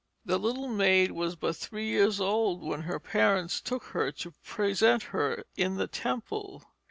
The little maid was but three years old when her parents took her to present her in the temple.